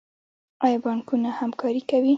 آیا بانکونه همکاري کوي؟